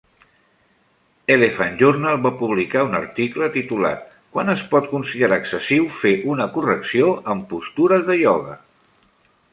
"Elephant Journal" va publicar un article titulat "Quan és pot considerar excessiu fer una correcció en postures de ioga?"